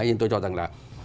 đấy tôi cho rằng là